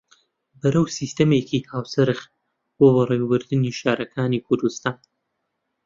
بەرەو سیستەمێکی هاوچەرخ بۆ بەڕێوەبردنی شارەکانی کوردستان